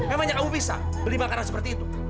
emangnya kamu bisa beli makanan seperti itu